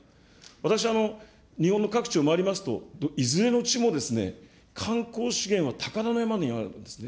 私は日本の各地を回りますと、いずれの地も、観光資源は宝の山のようにあるんですね。